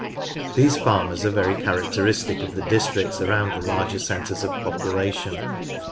These farmers are very characteristic of the districts around the larger centres of population.